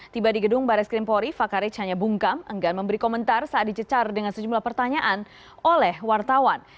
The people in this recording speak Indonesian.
tiba di gedung baris krimpori fakar rich hanya bungkam enggan memberi komentar saat dicecar dengan sejumlah pertanyaan oleh wartawan